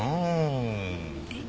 えっ？